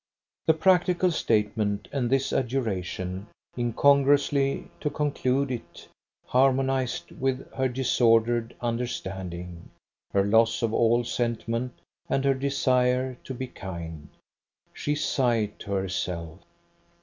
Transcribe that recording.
The practical statement, and this adjuration incongruously to conclude it, harmonized with her disordered understanding, her loss of all sentiment and her desire to be kind. She sighed to herself.